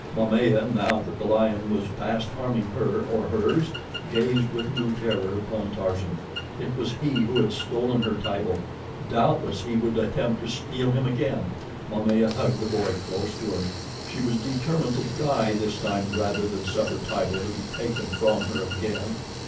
Momaya, now that the lion was past harming her or hers, gazed with new terror upon Tarzan. It was he who had stolen her Tibo. Doubtless he would attempt to steal him again. Momaya hugged the boy close to her. She was determined to die this time rather than suffer Tibo to be taken from her again.